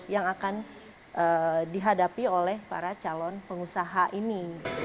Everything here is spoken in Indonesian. yang akan dihadapi oleh para calon pengusaha ini